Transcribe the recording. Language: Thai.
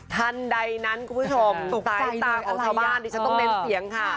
ทันใดนั้นคุณผู้ชมสายตาของทายาทดิฉันต้องเน้นเสียงค่ะ